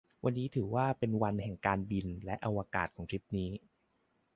วันนี้ถือว่าเป็นวันแห่งการบินและอวกาศของทริปนี้